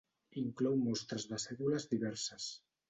Inclou mostres de cèdules diverses.